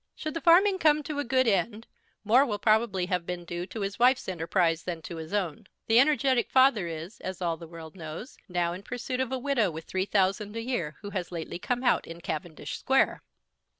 Should the farming come to a good end more will probably have been due to his wife's enterprise than to his own. The energetic father is, as all the world knows, now in pursuit of a widow with three thousand a year who has lately come out in Cavendish Square.